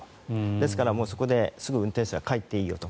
ですからそこですぐ運転手が帰っていいよと。